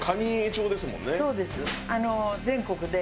そうです。